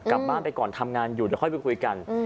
กลับบ้านไปก่อนทำงานอยู่เดี๋ยวค่อยไปคุยกัน